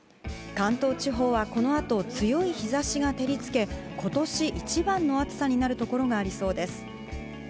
関東地方は、この後、強い日差しが照りつけ、今年一番の暑さになるところがありそうです。